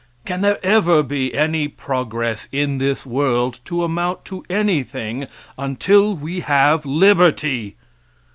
Can there ever be any progress in this world to amount to anything until we have liberty?